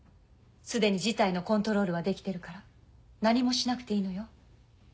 すでに事態のコントロールはできてるから何もしなくていいのよ。